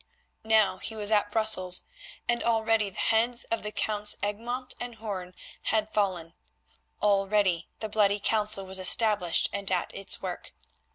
Now he was at Brussels, and already the heads of the Counts Egmont and Hoorn had fallen; already the Blood Council was established and at its work.